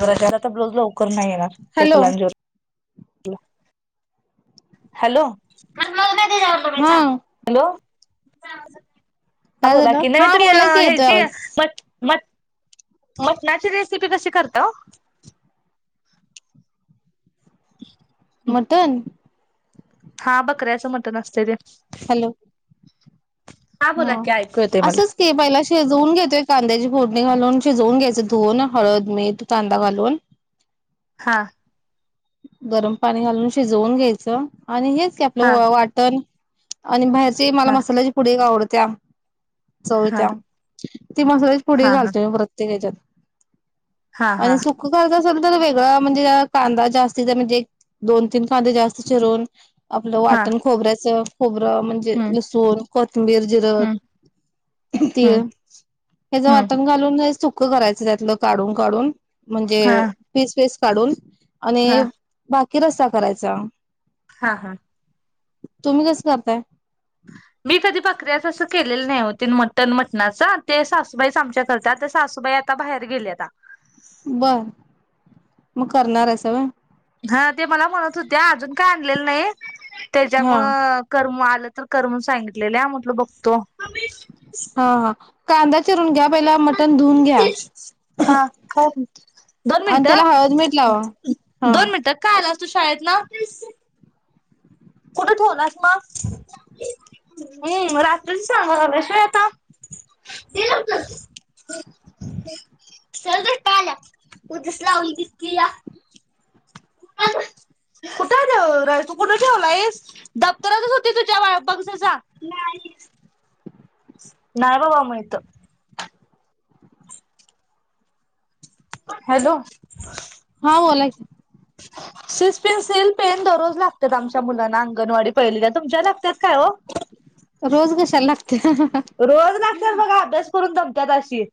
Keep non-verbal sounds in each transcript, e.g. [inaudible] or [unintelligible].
शराच्या आता ब्लाज लवकर नाही येणार त्या हॅलो कलांजवर. हॅलो? हा हॅलो हा काय बोला झालं की नाही म हा तु बोला की येतोय हेजी आवाज म म मटणाची रेसिपी कशी करता आ ओ? ह मटन! हा बकऱ्याचं मटण असते ते. ह ऐकू येते मला असंच क पहिला शेजवून घेतोय. कांद्याची फोडणी घालून शिजवून घ्यायचं धुून हळद मीठ कांदा घालून हा गरम पाणी घालून शिजवून घ्यायचं, आणि हेच की हा आपलं वाटण आणि बाहेरचे मला हा मसाल्याची पुढ का आवडत्या, हा चविच्या ती मसाल्याची पुडी हा घालतेो मी प्रत्येक ह्याच्यात, हा हा हा आणि सुख खात अस तर वेगळा म्हणजे कांदा जास्त ति म्हणजे एक दोन तीन कांदे जास्त चिरून आपलं हा वाटण खोबऱ्याचं म्हणजे हम्म लसूण कोथंबीर जिर हम्म तिळ हम्म हच हम्म वाटण घालून सुक सुकं करायचं त्यातलं काढून काढून हा म्हणजे फीस पिस काढून हा आणि बाकी रसा करायचा. हा हा तुम्ही कसं करताय? मी कधी बकय्राच असं केलेली नाही, होती मटन मटणाच ते सासूबाई आमच्या आता करतात. सासू बाई आता बाहेर गेले आता. बर मग करणार आहे सा होय. हा मला म्हणत ते अजून काय आणलेलं नाही, त्याच्यामु हा करम आ, तर करून सांगितलेले म्हटल बघतो. हा हा कांदा चिरून घ्या पहिला मटण धुून घ्या. हा काय म्हणते? दोन आणि त्याला हळद मीठ मिनिटं लावा हा दोन मिनिटं काय तू शाळेत न, कुठं ठेवलास म हम्म रात्रीच सांगलाशवा आता. [unintelligible] [unintelligible] कुठं ठेवलायस दप्तरातच होती तुझ्या बघ जा. नाहीय बाबा माहिती. हॅलो, हा बोला कि, [unintelligible] सिस पेन्सिल पेन दररोज लागतात, आमच्या मुलांना अंगणवाडी पहिलीला तुमच्या लागतात काय हो, रोज कशाला लागते हा हा ह, जाशील.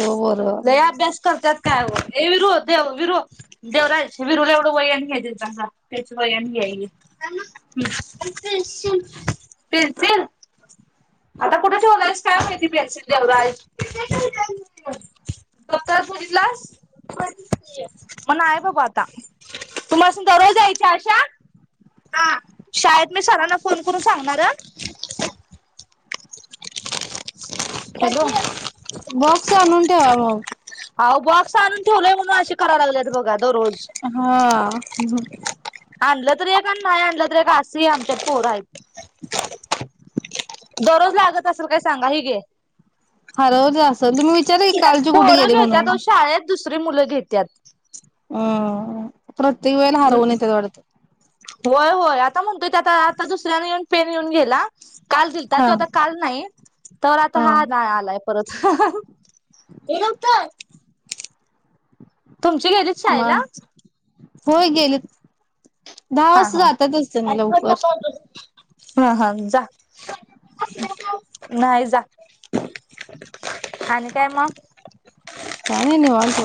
ओ पोरं लय अभ्यास करतात काय ओ ए विरु दे विरु देवराज विरूला एवढं वयन घ्या तेचा त्याच वयन घ्या हे, [unintelligible] [unintelligible] दप्तर बघितलंस मग नाय बाबा आता, तुमासणी दरोज जायच्या अशा, [unintelligible] हॅलो? बॉक्स आणून ठेवाव मग, आहो बॉक्स आणून ठेवलंय म्हणून असे कराय लागलेत बघा. दररोज हां आणलं तरी अन आणि नाही आणलं तरी काय असली आमच्यातली पोर आहेत. दररोज लागत असेल का सांगा? ही घे. हरवत असल तुम्ही विचारा की कालची कुठे गेली म्हणून? तरी मुलं घेत्यात. हम् प्रत्येक वेळेला हरवून येत्यात वाटतं. व्हय व्हय आता म्हणतोय त्या आता आता दुसऱ्याने येऊन पेन घेऊन गेला. काल दिलता हा त्यो आता काल नाही तवर आता हा नाही आलाय. परत [unintelligible] तुमची गेलीत शाळेला? मग होय गेलेत दहा हा वाजता हा जातातच ते लवकर. हा हा जा नाही जा. अन काय मग. काय नाय निवांत.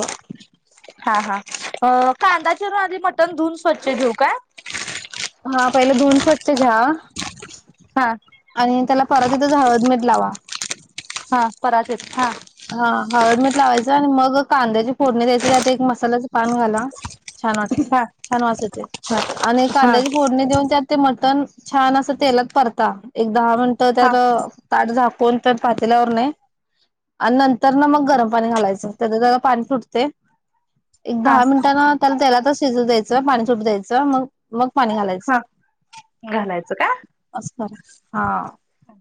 हा हा अ कांदा चिरून आधी मटण धुऊन स्वच्छ घेऊ काय? हा पहिले धुऊन स्वच्छ घ्या. हा आणि त्याला परातित इथं हळद मीठ लावा. हा परातीत हा. हा हळद मीठ लावायचं आणि मग कांद्याची फोडणी द्यायची त्यात एक मसाल्याचं पान घाला. छान वास हा छान वास येतोय हा आणि हा कांद्याची फोडणी देऊन त्यात ते मटण छान असं तेलात परता एक दहा मिनिटं तर हा ताट झाक कोनत पातील्यावर नाही आणि नंतर ना मग गरम पाणी घालायचं त्याच जरा पाणी सुटते एक हा दहा मिनटान त्याला तेलातच शिजू द्यायचं पाणी सुटू द्यायचं मग मग पाणी घालायचं. हा घालायचं का अस हा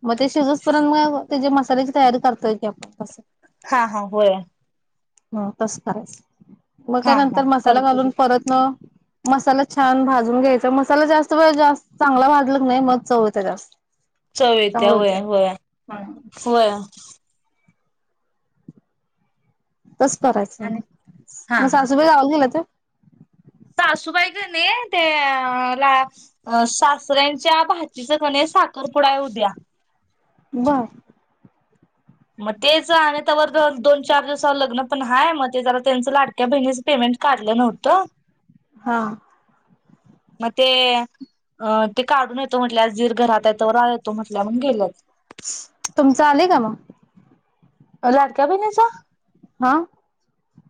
मग ते शिजुस पर्यंत मग ते जे मसाल्याची तयारी करतोय की आपण कसं. हा हा बोला. मग कस करायच मग का हा हा नंतर मसाला करतो की घालून परतन, मसाला छान भाजून घ्यायचा मसाला जास्त वेळ जास्त चांगला भाजला ना मग चव येते जास्त. चव येते चांगलं व्हया होत्या. व्हया व्हय कस करायचं आणि मग. हा मग हा सासूबाई गावाला गेल्यात्या. सासूबाई कि नय त्या ला अ सासऱ्यांच्या भाचीच कि नय साखरपुडा, काय उद्या. बरं मग तेच आणि त्यावर दोन चार दिवसावर लग्न पण हाय मग ते जरा त्यांच लाडक्या बहिणीच पेमेंट, काढलं नव्हत. हां मग ते अं ते काढून येतो म्हटल्या. आज दीर घरात आहे तोवर येतो म्हटल्या म्हणून गेल्यात. तुमचं आलेय का मग? लाडक्या बहिणीच. हां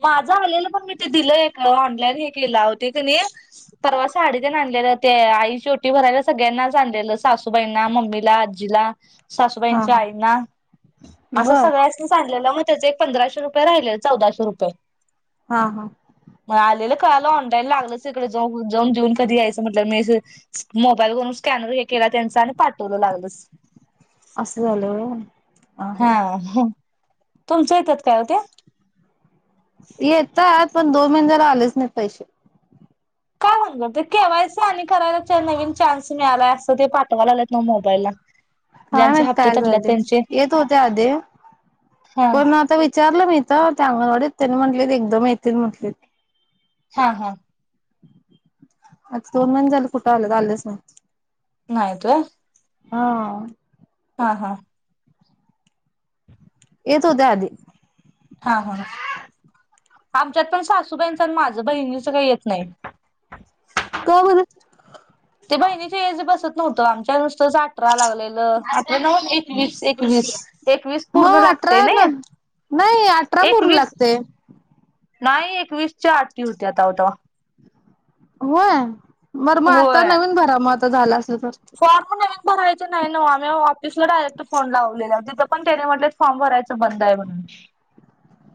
माझं आलेलं. पण मी ते दिलंय एकाला ऑनलाईन हे केलं अहो ते कणी परवा साडी ते आणलेलं. ते आईची ओटी भरायला. सगळ्यांनाच आणलेलं सासूबाईंना, मम्मीला, आजीला. हा सासूबाईंच्या हा आईंना असं बर सगळ्यासनी आणलेलं मग ते त्याचे एक पंधराशे रुपये राहिलेलं. चौदाशे रुपये. हा हां काल ऑनलाईन लागलच. तिकडे जाऊन देऊन कधी यायचं म्हटलं. मी मोबाईलवरून स्कॅनर हे केला. त्यांचा आणि पाठवलं लागलंच. असं झालं होय. हा तुमचं येतात काय हो ते. येतात. पण दोन महिने झाले आलेच नाही पैसे. का? ते के वाय सी आणि करायला नवीन चान्स मिळालाय. असं ते पाठवाय लागलेत नव्हं ते मोबाईलला. काय माहित ज्यांचे हप्ते काय थटल्यात झाले? त्यांचे येत होते आधी. हा पण आता विचारलं मी इथ ते अंगणवाडीत त्यांनी म्हंटले एकदम येतील म्हंटले. हा हा. आता दोन महिने झाले. कुठं आल्यात? आलेच नाहीत. नाहीत होय. हा. हा हा. येत होते आधी. हा हा. आमच्यात पण सासूबाईंच आणि माझं बहिणीच काही येत नाही. का बर? ते बहिणीच एज बसत नव्हतं आमच्या नुसतंच अठरा लागलेलं अठरा नव्हं एकवीस एकवीस. एकवीस पूर्ण मग अठरा लागतय ना नाही. नाही अठरा पूर्ण एकवीस लागते. नाही एकवीसच्या अटी होत्या. तेव्हा होय बर मग आता नवीन भरा मग आता झाला असलं. फॉर्म नवीन भरायच नाही नव्हे. आम्ही ऑफिसला डायरेक्ट फोन लावलेला. तिथे पण त्यांनी म्हटलेत फॉर्म भरायचं बंद आहे म्हणून. [inaudible]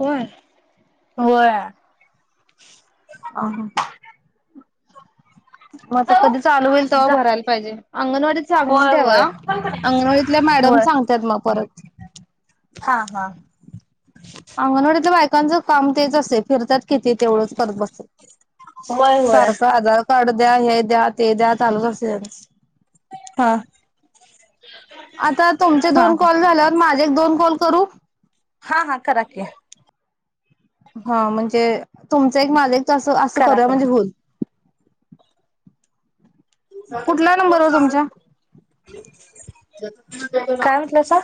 होय. होय. हा हा. मग आता कधी चालू होईल तेव्हा जा भरायला पाहिजे. अंगणवाडी सांगून होय ठेवा. होय अंगणवाडीतल्या मॅ डम होय सांगत्यात मग परत. हा हा. अंगणवाडीतल्या बायकांचं काम तेच असे असतंय. फिरतात किती तेवढंच करत बसत. होय होय सारखं आधार कार्ड द्या. हे द्या. ते द्या. चालूच असतंय त्यांच. हा. आता तुमचे हा दोन कॉल झाल्यावर माझे एक -दोन कॉल करू. हा हा करा की. हा म्हणजे तुमचा एक माझा एक अस असं करा करूया करा म्हणजे होईल. कुठला नंबरवर तुमच्या? काय म्हटलासा?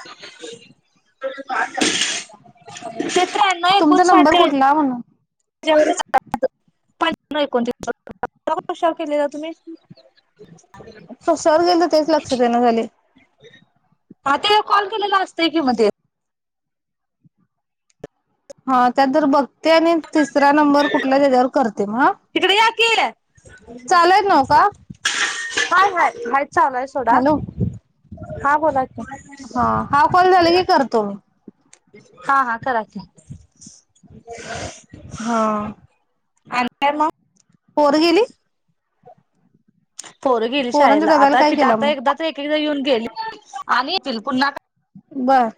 तुमचा नंबर कुठला म्हणून? [unintelligible] पंधरा एकोणतीस [unintelligible] केलेला तुम्ही? कशावर गेल तर तेच लक्षात येईना झाले. ह ते कॉल केलेला असतय कि म ते. हा त्या तर बघते आणि तिसरा नंबर कुठला त्याच्यावर कर तिकडे या कि. चालूयत नव्ह का हाय हाय हाय चालू आहे सोडा. हॅलो हा बोला की हा हाव कॉल झाला की करतो मी. हा हा करा की. हा आणि काय मग पोरं गेली पोरं गेली पोरांच्या शाळेला डब्याला आता काय किती केला आता मग एकदा ते एक एकदा येऊन गेली आणि येतील पुन्हा बर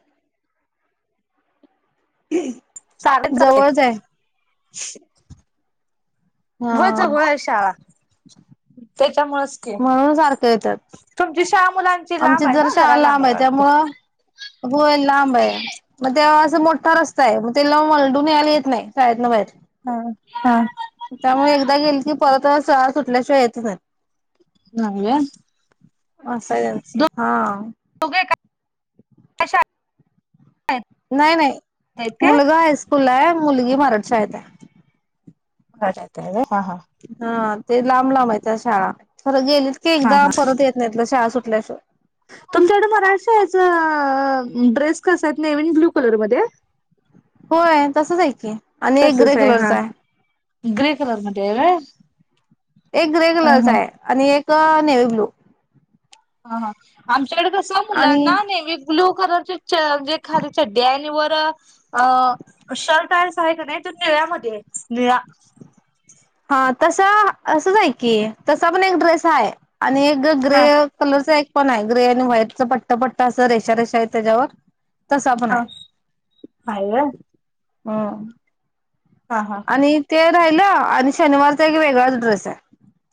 साडे जवळच आहे व्हय हा जवळाय शाळा त्यामुळेच की म्हणून सारखं येतात [unintelligible] मुलांची आमची लांब आहे जरा ना शाळा लांब आहे वाटतं त्यामुळं होय लांबाया मग ते मोठा रस्ता आहे मग त्याला मलडून यायला येत नाही शळेतंन बाहेर हा त्यामुळे एकदा गेल की परत शळा सुटल्याशिवाय यायचं नाही [unintelligible] असाय यांच हा तु [unintelligible] नाही नाही मुलगा हायस्कूल आहे मुलगी मराठ शाळेत आहे [unintelligible] हा ते लांब लांब आहेत त्या शाळा खरं गेलीत की एकदा परत येत नाहीत शाळा सुट - [unintelligible] [inaudible] तुमच्याकड मराठी शाळेच ड्रेस कस आहेत नेव्ही आणि ब्ल्यू कलर मध्येय होय तसच आहे की आणि एक तसच ग्रे आहे हा कलरचा ग्रे कलर मध्ये आहे व्हय एक ग्रे हा कलरचा हा आहे आणि एक नेवी ब्लू ह हा आमच्याकडे कस मुलांना आणि नेव्ही ब्लू कलर ची च म्हणजे खाली चड्डी य आणि वर अ शर्ट आहे का नाही त निळ्यामध्ये निळा हा तस असंच आहे की तसा पण एक ड्रेस हाय आणि एक ग्रे हा कलरचा एक - पण आहे ग्रे आणि व्हाईटच पट्ट पट्टा असं रेषा रेषा आहे त्याच्यावर तसा पण ह आहे हाय व्हय हम हा हा आणि ते राहिलं आणि शनिवारचा एक वेगळाच ड्रेस हाय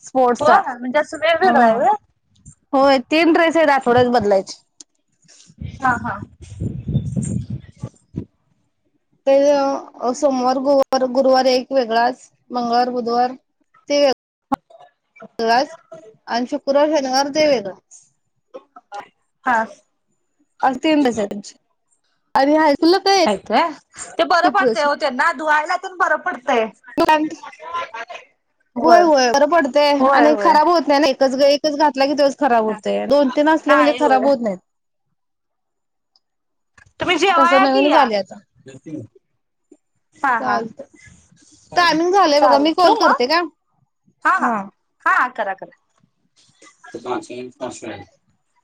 स्पोर्टस चा होय म्हणजे असं वेगवेगळं आहे हम् व्हय होय तीन ड्रेस आहेत अठवड्यात बदलायचे [inaudible] ते सोमवार गुरुवार गुरुवार एक वेगळाच मंगळवार बुधवार तेवे आणि शुक्रवार शनिवार ते वेगळाच हा [unintelligible] हाय काय ते बरं एकच पडतय ड्रेस ओ आहे त्यांना धुवायला तेन बर प - तय [unintelligible] पॅन्ट होय होय बरं पडतेय आणि होय खराब होत नाही ना एकच एकच घातला कि त्यो - खराब होत दोन तीन असले म्हणजे नाही खराब होय होत नाहीत तुम्ही तस जेवाया की नवीनच या. आलय आता हा हा चालतं टामिंग झालंय बघा चालेल मी कॉल ठेवू मग करते काय हा हा हा करा करा [unintelligible]